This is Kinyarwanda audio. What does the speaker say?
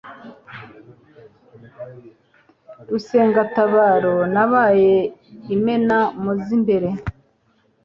Rusengatabaro nabaye imena mu z' imbere